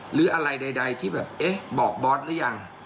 หรืออะไรใดที่แบบเอ๊ะบอกบอสหรือยัง